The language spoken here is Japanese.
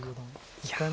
いや。